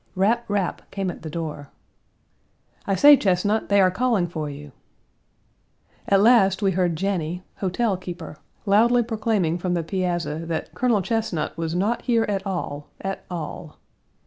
Rap, rap, came at the door. "I say, Chesnut, they are calling for you." At last we heard Janney (hotel keeper) loudly proclaiming from the piazza that "Colonel Chesnut was not here at all, at all.